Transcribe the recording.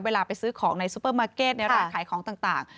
เวลาไปซื้อของในซูเปอร์มาร์เก็ตในร้านขายของต่าง